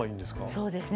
そうですね。